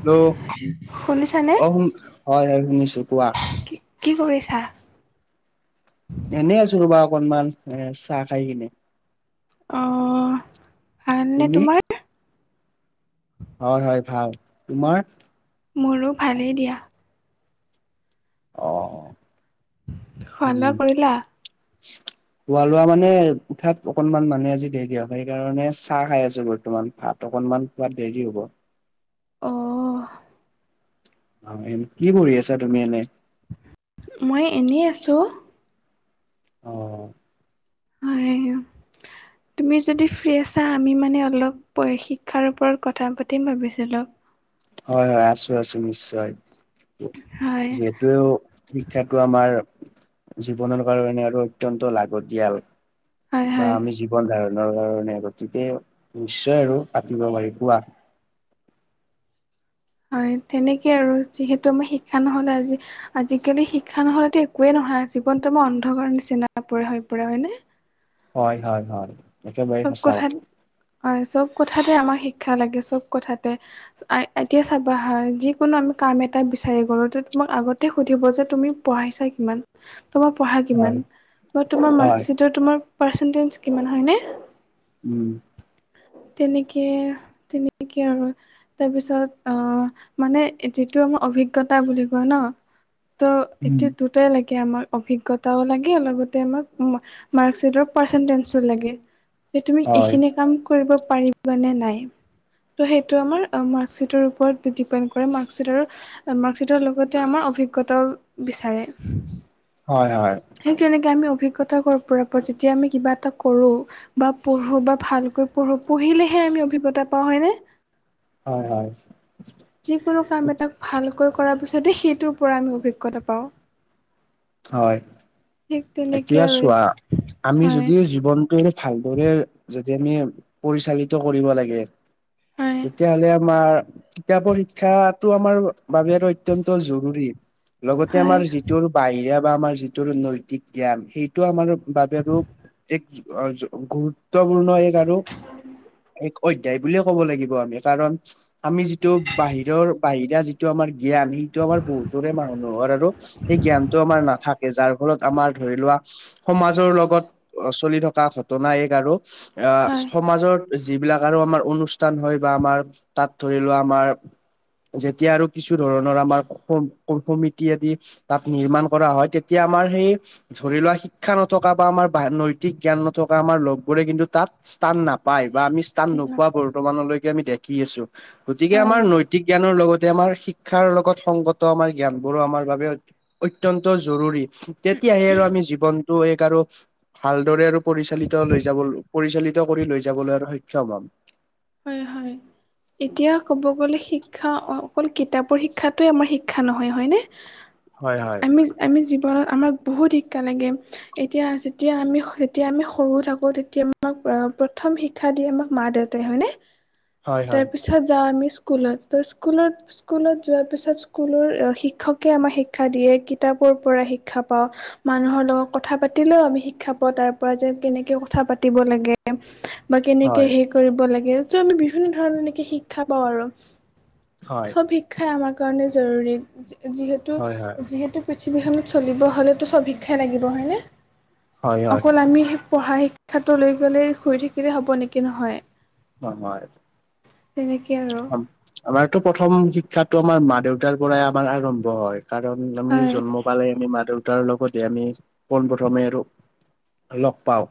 Hello শুনিছানে অ হুন হয় হয় শুনিছো কোৱা কি কি কৰিছা এনেই আছো ৰবা অকনমান এ চাহ খাই কিনে অহ ভালনে তুমি তোমাৰ হয় হয় ভাল তোমাৰ মোৰো ভালেই দিয়া অ খোৱা লোৱা উম [unintelligible] খোৱা লোৱা মানে উঠাত অকনমান মানে আজি দেৰি দিয়ক, সেইকাৰণে চাহ খাই আছো বৰ্তমান ভাত অকনমান খোৱাত দেৰি হ'ব। অঁ অঁ, এ কি কৰি আছা তুমি এনেই? মই এনেই আছোঁ। অঁ হয়, তুমি যদি ফ্ৰী আছা আমি মানে অলপ। শিক্ষাৰ ওপৰত কথা পাতিম ভাবিছিলোঁ। হয় হয় আছো আছো নিশ্চয়, হয় যিহেতুে শিক্ষাটো আমাৰ জীৱনৰ কাৰণে আৰু অত্যন্ত লাগতিয়াল। হয় বা হয় আমি জীৱন ধাৰণৰ কাৰনে গতিকে নিশ্চয় আৰু পাতিব পাৰি কোৱা। হয় তেনেকেই আৰু যিহেতু আমি শিক্ষা নহ'লে আজি আজিকালি শিক্ষা নহলেতো একোৱেই নহয়, জীৱনটো তোমাৰ অন্ধকাৰ নিছিনা হৈ পৰে হয় নে। হয় হয় হয়। একেবাৰে চব সঁচা কথাত কথা। হয় চব কথাতে আমাৰ শিক্ষা লাগে চব কথাতে। এতিয়া চাবা হা যিকোনো আমি কাম এটা বিচাৰি গলো, তোমাক আগতে সুধিব যে তুমি পঢ়াই চা কিমান? তোমাৰ পঢ়া হয়, কিমান? মই তোমাৰ হয়, মাৰ্কশ্বিটৰ তোমাৰ পাৰ্চেণ্টেজ কিমান হয়নে। উম। তেনেকে তেনেকে আৰু তাৰপিছত অঁ মানে যিটো আমাৰ অভিজ্ঞতা বুলি কৈ ন। ত' উম, এতিয়া দুটাই লাগে, আমাক অভিজ্ঞতাও লাগে লগতে আমাক মাৰ্কশ্বিটৰ পাৰ্চন্দিছও লাগে, এ তুমি হয়, এইখিনি কাম কৰিব পাৰিবা নে নাই? ত' সেইটো আমাৰ মাৰ্কশ্বিটৰ ওপৰত ডিপেণ্ড কৰে মাৰ্কশ্বিটৰ মাৰ্কশ্বিটৰ লগতে আমাৰ অভিজ্ঞতাও বিচাৰে। হয় হয়। ঠিক তেনেকৈ আমি অভিজ্ঞতা পৰা পৰা যেতিয়া আমি কিবা এটা কৰোঁ। বা পঢ়ো বা ভালকৈ পঢ়ো পঢ়িলেহে আমি অভিজ্ঞতা পাওঁ হয়নে। হয় হয়। যিকোনো কাম এটাক ভালকৈ কৰাৰ পিছতে সেইটোৰ পৰা আমি অভিজ্ঞতা পাওঁ। হয়, ঠিক তেনেকৈ এতিয়া আৰু চোৱা আমি হয় যদি জীৱনটো ভালদৰে যদি আমি পৰিচালিত কৰিব লাগে। হয় তেতিয়াহ'লে আমাৰ কিতাপৰ শিক্ষাটো আমাৰ বাবে আৰু অত্যন্ত জৰুৰী। লগতে হয় আমাৰ যিটো আৰু বাহিৰ কেতিয়াবা আমাৰ যিটো নৈতিক জ্ঞান সেইটো আমাৰ বাবে ৰপ এক গুৰুত্বপূৰ্ণ এক আৰু, এক অধ্যায় বুলিয়ে ক'ব লাগিব আমি, কাৰণ আমি যিটো বাহিৰৰ বাহিৰা যি টো আমাৰ জ্ঞান সেইটো আমাৰ বহুতৰে মানুহৰ আৰু সেই জ্ঞান তোমাৰ নাথাকে, যাৰ ফলত আমাৰ ধৰি লোৱা সমাজৰ লগত চলি থকা ঘটনা এক আৰু আঁহ হয় সমাজৰ যিবিলাক আৰু আমাৰ অনুষ্ঠান হয় বা আমাৰ তাত ধৰি লোৱা আমাৰ যেতিয়া আৰু কিছু ধৰণৰ আমাৰ সমিতি আদি তাত নিৰ্মাণ কৰা হয়, তেতিয়া আমাৰ সেই ধৰি লোৱা শিক্ষা নথকা বা আমাৰ নৈতিক জ্ঞান নথকা আমাৰ লগবোৰে কিন্তু তাত, স্থান নাপায় বা আমি স্থান নোপোৱা বৰ্তমানলৈকে আমি দেখি আছো গতিকে হয় আমাৰ নৈ নৈতিক জ্ঞানৰ লগতে আমাৰ শিক্ষাৰ লগত সংগত আমাৰ জ্ঞানবোৰো আমাৰ বাবে, অত্যন্ত জৰুৰী তেতিয়াহে আৰু আমি জীৱনটো এক আৰু ভালদৰে আৰু পৰিচালিত লৈ যাব পৰিচালিত কৰি লৈ যাবলৈ আৰু সক্ষম হ'ম। হয় হয়। এতিয়া ক'ব গ'লে শিক্ষা অকল কিতাপৰ শিক্ষাটোৱে আমাৰ শিক্ষা নহয় হয়নে। [inaudible] হয় হয়। আমি আমি জীৱনত আমাক বহুত শিক্ষা লাগে এতিয়া যেতিয়া আমি যেতিয়া আমি সৰু থাকোঁ তেতিয়া। আমাক প্ৰথম শিক্ষা দিয়ে আমাক মা দেউতাই হয়নে হয় হয় তাৰপিছত। পিছত যাওঁ আমি স্কুলত তো স্কুলত, স্কুলত যোৱাৰ পিছত স্কুলৰ শিক্ষকে আমাক শিক্ষা দিয়ে কিতাপৰ পৰা শিক্ষা পাওঁ। মানুহৰ লগত কথা পাতিলেও আমি শিক্ষা পোৱা তাৰ পৰা যে কেনেকে কথা পাতিব লাগে। বা কেনেকে হয় হেই কৰিব লাগে ত আমি বিভিন্ন ধৰণৰ এনেকে শিক্ষা পাও আৰু হয় চব শিক্ষাই আমাৰ কাৰণে জৰুৰী যিহেতু হয় হয় যিহেতু, পৃথিৱীখনত চলিব হ'লেতো চব শিক্ষাই লাগিব হয়নে হয় হয় অকল আমি। পঢ়া শিক্ষাটো লৈ গলে শুই থাকিলে হ'ব নেকি নহয়। হয় হয়। তেনেকে আৰু আমাৰতো প্ৰথম শিক্ষাতটো আমাৰ মা দেউতাৰ পৰাই আমাৰ আৰম্ভ হয়। কাৰণ আমি হয় জন্ম পালে আমি মা দুৰ্গা তাৰ লগতে আমি পোন প্ৰথমে আৰু লগ পাওঁ,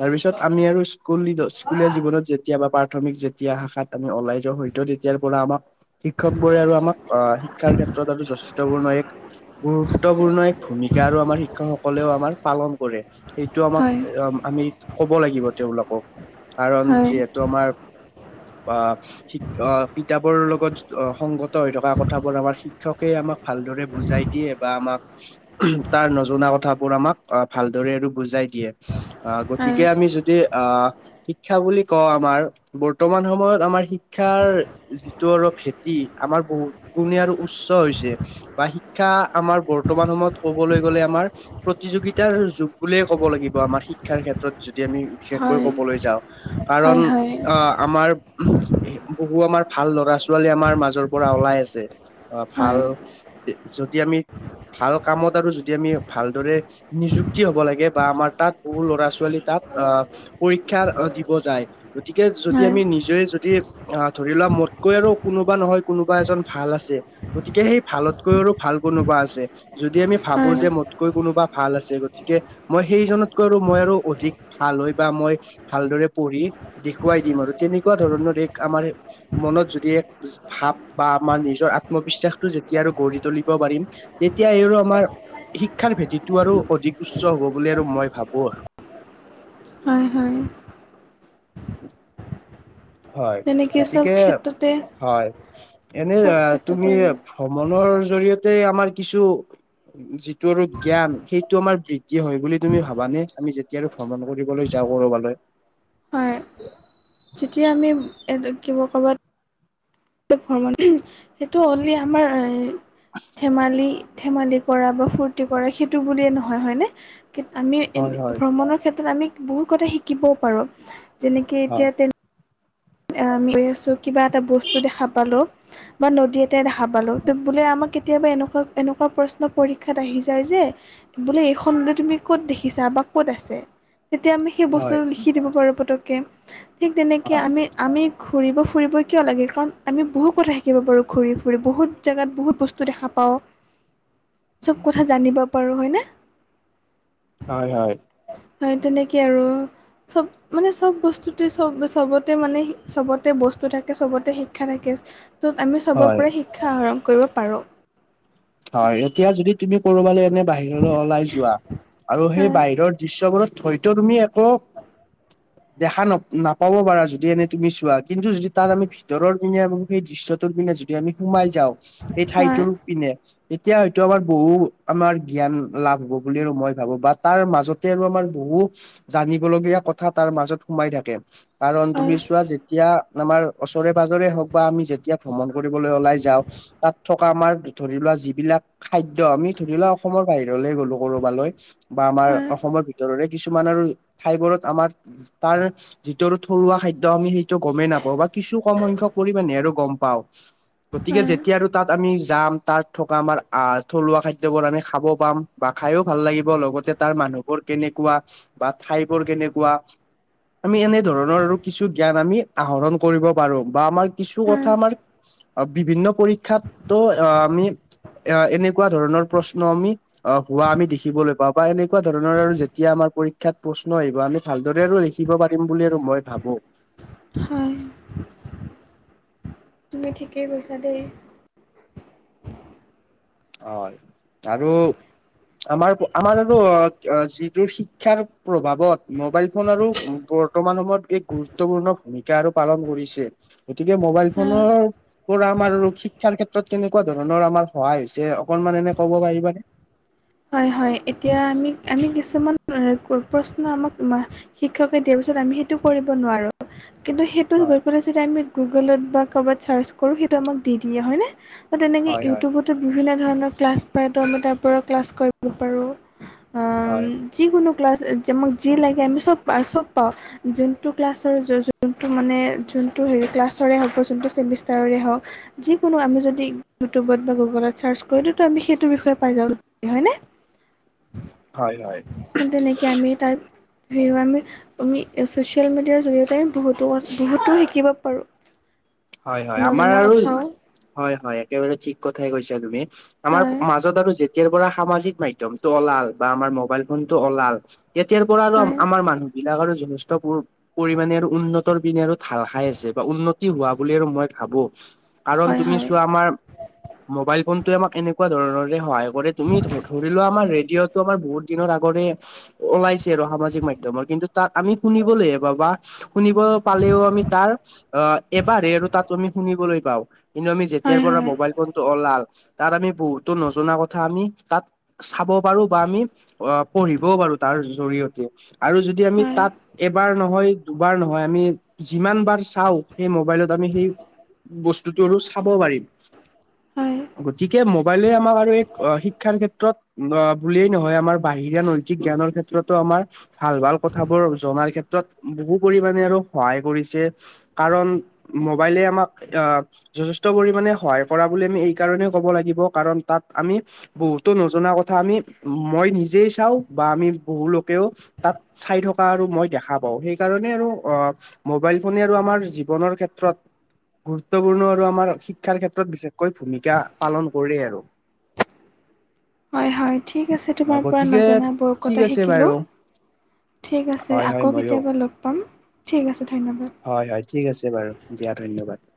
তাৰ পিছত আমি আৰু স্কুল স্কুলীয়া জীৱনত যেতিয়া বা প্ৰাথমিক যেতিয়া শাখাত আমি ওলাইছো, হয়তো তেতিয়াৰ পৰা আমাক শিক্ষক বোৰে আৰু আমাক আহ শিক্ষাৰ ক্ষেত্ৰত আৰু যথেষ্ট পূৰ্ণ এক, গুৰুত্বপূৰ্ণ এক ভূমিকা আৰু আমাৰ শিক্ষকসকলেও আমাৰ পালন কৰে। সেইটো আমাক হয় আমি কব লাগিব তেওঁলোকক। কাৰণ হয় যিহেতু আমাৰ অ অ কিতাপৰ লগত সংগত হৈ থকা কথাবোৰ আমাৰ শিক্ষকে আমাক, ভালদৰে বুজাই দিয়ে বা আমাক। তাৰ নজনা কথাবোৰ আমাক ভালদৰে আৰু বুজাই দিয়ে আহ হয় গতিকে আমি যদি। য অ শিক্ষা বুলি কওঁ আমাৰ বৰ্তমান সময়ত আমাৰ শিকা, শিক্ষাৰ যিটো আৰু ভেতি আমাৰ বহুত গুণে আৰু উচ্চ হৈছে। বা শিক্ষা আমাৰ বৰ্তমান সময়ত কবলৈ গ'লে আমাৰ। প্ৰতিযোগিতাৰ যুগ বুলিয়ে ক'ব লাগিব আমাৰ শিক্ষাৰ ক্ষেত্ৰত যদি আমি। বিশেষকৈ হয় হয় কবলৈ যাওঁ কাৰণ হয় হয় আহ আমাৰ। বহু আমাৰ ভাল লৰা ছোৱালী আমাৰ মাজৰ পৰা ওলাই আছে অ ভাল, যদি আমি ভাল কামত আৰু যদি আমি ভালদৰে। নিযুক্তি হ'ব লাগে বা আমাৰ তাত বহু ল'ৰা ছোৱালী তাত আহ পৰীক্ষা দিব যায় গতিকে যদি হয় আমি নিজে যদি। অ ধৰি লোৱা মোতকৈ আৰু কোনোবা নহয় কোনোবা এজন ভাল আছে। গতিকে সেই ভালতকৈ আৰু ভাল কোনোবা আছে। যদি আমি ভাবো হয় যে মোতকৈ কোনোবা ভাল আছে গতিকে। মই সেইজনতকৈ আৰু মই আৰু অধিক ভাল হয় বা মই, ভালদৰে পঢ়ি দেখুৱাই দিম আৰু তেনেকুৱা ধৰণৰ এক আমাৰ। মনত যদি যি ভাৱ বা আমাৰ নিজৰ আত্মবিশ্বাসটো যেতিয়া আৰু গঢ়ি তুলিব পাৰিম তেতিয়া এই আৰু আমাৰ শিক্ষাৰ ভেটিটো আৰু অধিক উচ্চ হ'ব বুলি আৰু মই ভাবো। হয় হয়। [inaudible] হয় তেনেকে চব গতিকে ক্ষেত্ৰতে হয় এনে চব আ ক্ষেত্ৰতে তুমি আৰু ভ্ৰমণৰ জৰিয়তে আমাৰ কিছু যিটো আৰু জ্ঞান সেইটো আমাৰ বৃদ্ধি হয় বুলি তুমি ভাবানে? আমি যেতিয়া আৰু ভ্ৰমণ কৰিবলৈ যাওঁ কৰবালৈ? হয় যেতিয়া আমি এব এ কিব ক'ৰবাত তে ভ্ৰমন উহুম সেইটো অনলি আমাৰ এ ধেমালি ধেমালি কৰা বা ফূৰ্তি কৰা সেইটো বুলিয়েই নহয় হয়নে? কেত আমি হয় এ হয় ভ্ৰমণৰ ক্ষেত্ৰত আমি বহুত কথা শিকিবও পাৰোঁ, যেনেকে হয় এতিয়া তে আম লে আছোঁ কিবা এটা বস্তু দেখা পালো বা নদী এতে দেখা পালোঁ, ত বোলে আমাক কেতিয়াবা এনেকুৱা এনেকুৱা প্ৰশ্ন পৰীক্ষাত আহি যায় যে বোলে এইখনতে তুমি ক'ত দেখিছা বা ক'ত আছে? তেতিয়া আমি সেই হয় বস্তুটো লিখি দিব পাৰোঁ পটককে ঠিক তেনেকে হয় আমি আমি ঘূৰিব - ফুৰিব কিয় লাগে কাৰণ আমি বহু কথা শিকিব পাৰোঁ ঘূৰি - ফুৰি বহুত জেগাত বহুত বস্তু দেখা পাওঁ। চব কথা জানিব পাৰোঁ হয়নে? হয় হয়। হয় তেনেকে আৰু চব মানে চব বস্তুতে চব চবতে মানে সি চবতে বস্তু থাকে, চবতে শিক্ষা থাকে ত'ত আমি হয় চবৰ পৰাই শিক্ষা আহৰন কৰিব পাৰোঁ। হয় এতিয়া যদি তুমি কৰবালৈ এনে বাহিৰলৈ ওলাই যোৱা আৰু সেই হয় বাহিৰৰ দৃশ্যবোৰত ধয়তো তুমি আকৌ [inaudible] দেখা ন নাপাব পাৰা যদি এনেই তুমি চোৱা কিন্তু যদি তাত আমি ভিতৰৰ পিনে আপুনি সেই দৃশ্যটোৰ পিনে যি টি আমি সোমাই যাওঁ, এই হয় ঠাইটোৰ পিনে এতিয়া হয়তো আমাৰ বহু আমাৰ জ্ঞান লাভ হ'ব বুলি আৰু মই ভাবো বা তাৰ মাজত তে আৰু আমাৰ বহু জানিবলগীয়া কথা তাৰ মাজত সোমাই থাকে কাৰণ তুমি হয় চোৱা যে তিয়া আমাৰ ওচৰে - পাজৰে হওক বা আমি যেতিয়া ভ্ৰমণ কৰিবলৈ ওলাই যাওঁ তাত থকা আমাৰ ধৰি লোৱা যি বিলাক খাদ্য আমি ধৰি লোৱা অসমৰ বাহিৰলে গ'লো কৰবালৈ বা আমাৰ হয় অসমৰ ভিতৰৰে কিছুমান আৰু ঠাইবোৰত আমাৰ যি তাৰ যিটো আৰু থলুৱা খাদ্য আমি সেইটো গমেই নাপাওঁ বা কিছু কম সংখ্যক পৰিমাণে আৰু গম পাও। গতিকে হয় যেতিয়া আৰু তাত আমি যাম তাত থকা আমাৰ আহ থলুৱা খাদ্যবোৰ আমি খাব পাম বা খাইও ভাল লাগিব লগতে তাৰ মানুহবোৰ কেনেকুৱা বা ঠাইবোৰ কেনেকুৱা আমি এনে ধৰণৰ আৰু কিছু জ্ঞান আমি আহৰণ কৰিব পাৰো বা আমাৰ কিছু হয় কথা আমাৰ আ বিভিন্ন পৰীক্ষাতো আ আমি এ এনেকুৱা ধৰণৰ প্ৰশ্ন আমি আ হোৱা আমি দেখিবলৈ পাওঁ বা এনেকুৱা ধৰণৰ আৰু যেতিয়া আমাৰ পৰীক্ষাত প্ৰশ্ন আহিব আমি ভালদৰে আৰু লিখিব পাৰিম বুলি আৰু মই ভাবো। হয়, তুমি ঠিকেই কৈছা দেই। হয় আৰু আমাৰ আমাৰ আৰু আ কা যিটো শিক্ষাৰ প্ৰভাৱত মোবাইলফোন আৰু মো বৰ্তমান সময়ত এক গুৰুত্বপূৰ্ণ ভূমিকা আৰু পালন কৰিছে। [unintelligible] গতিকে মোবাইল হয় ফোনৰ পৰা আমাৰ শিক্ষাৰ ক্ষেত্ৰত কেনেকুৱা ধৰণৰ আমাৰ সহায়। [unintelligible] পিছে অকনমান এনেই ক'ব পাৰিবা নে? [unintelligible] হয়-হয়, এতিয়া আমি-আমি কিছুমান প্ৰশ্ন আমাক [unintelligible] শিক্ষকে দিয়াৰ পিছত আমি সেইটো কৰিব নোৱাৰো কিন্তু সেইটো গৈ হয় পেলাই [unintelligible] [unintelligible] গুগলত বা ক'ৰবাত চাৰ্জ কৰো সেইটো আমাক দি হয়নে? [unintelligible] তেনেকে হয় হয় ইউটিউবত বিভিন্ন ধৰণৰ ক্লাছ পায় তো আমি তাৰ পৰা ক্লাছ কৰিব পাৰোঁ হয় [unintelligible] যিকোনো ক্লাছ যে আমাক যি লাগে আমি চব পাওঁ চব পাওঁ [unintelligible] যোনটো ক্লাছৰ যোনটো মানে যোনটো হেৰি ক্লাছৰে হওক বা যোনটো চেমিষ্টাৰৰে হওক [unintelligible] যিকোনো আমি যদি ইউটিউবত বা গুগলত চাৰ্চ কৰিলে দিওঁ ত আমি সেইটো বিষয়ে পাই যাওঁ। [unintelligible] হয়নে? [unintelligible] হয়-হয়। [unintelligible] [unintelligible] তেনেকে নেকি আমি তাত সেইকাৰণে আমি ছ'চিয়েল মিডিয়াৰ জৰিয়তে বহুতো-বহুতো শিকিব পাৰোঁ। [unintelligible] [unintelligible] হয়-হয়, আমাৰ নজনা আৰু কথাও [unintelligible] হয়-হয়, একেবাৰে ঠিক কথাই কৈছা তুমি আমাৰ হয় মাজত আৰু [unintelligible] যেতিয়াৰ পৰা সামাজিক মাধ্যমটো ওলাল বা আমাৰ মোবাইল ফোনটো ওলাল [unintelligible] তেতিয়াৰ পৰা আৰু হয় আমাৰ মানুহবিলাক আৰু [inaudible] [unintelligible] পৰিমানে আৰু উন্নতৰ পিনে আৰু ঢাল খাই আছে বা উন্নতি হোৱা বুলি আৰু মই ভাবো কাৰণ হয় তুমি হয় চোৱা আমাৰ [unintelligible] মোবাইল ফোনতোৱে আমাক এনেকুৱা ধৰণৰে সহায় কৰে। তুমি ধৰি লোৱা আমাৰ ৰেডিঅ'টো আমাৰ বহুত [unintelligible] দিনৰ আগৰে ওলাইছে আৰু সামাজিক মাধ্যমৰ কিন্তু তাত আমি শুনিবলৈহে পাবা। [unintelligible] শুনিব পালেও আমি তাৰ [unintelligible] বাঢ়ে আৰু তাতো আমি শুনিবলৈ পাওঁ কিন্তু আমি যেতিয়াৰ হয় পৰা হয় মোবাইল ফোন [inaudible] ওলাল তাত আমি বহুতো নজনা কথা আমি তাত [unintelligible] চাব পাৰো বা আমি অ পঢ়িবও পাৰো তাৰ জৰিয়তে। [unintelligible] আৰু যদি আমি হয় তাত এবাৰ নহয়, দুবাৰ নহয় আমি যিমান বাৰ চাওঁ সেই [inaudible] মোবাইলত আমি সেই বস্তুটো আৰু চাব পাৰিম। [unintelligible] হয় গতিকে মোবাইলে আমাৰ আৰু এই শিক্ষাৰ ক্ষেত্ৰত [inaudible] ক্ষেত্ৰত অ বুলিয়েই নহয় আমাৰ বাহিৰা নৈতিক জ্ঞানৰ ক্ষেত্ৰতো আমাৰ [unintelligible] ভাল-ভাল কথাবোৰ জনাৰ ক্ষেত্ৰত বহু পৰিমানে আৰু সহায় কৰিছে। [inaudible] কাৰণ মোবাইলে আমাক আহ [unintelligible] যথেষ্ট পৰিমানে সহায় কৰা বুলি আমি এই কাৰণেই কব লাগিব কাৰণ তাত আমি [unintelligible] বহুতো নজনা কথা আমি মই নিজেই চাওঁ বা আমি বহু লোকেও [unintelligible] তাত চাই থকা আৰু মই দেখা পাওঁ সেইকাৰণে আৰু অঁ [unintelligible] মোবাইল ফোনে আৰু আমাৰ জীৱনৰ ক্ষেত্ৰত [unintelligible] গুৰুত্বপূৰ্ণ আৰু আমাৰ শিক্ষাৰ ক্ষেত্ৰত বিশেষকৈ ভূমিকা পালন কৰেই আৰু। [unintelligible] হয়-হয়, ঠিক আছে অ' তোমাৰ পৰা গতিকে নজনা বহুত ঠিক কথা আছে শিকিলোঁ। বাৰু [unintelligible] ঠিক আছে, হয় হয় আকৌ ময়ো কেতিয়াবা লগ পাম। ঠিক আছে, ধন্যবাদ। [unintelligible] হয়-হয়, ঠিক আছে বাৰু দিয়া ধন্যবাদ। [unintelligible]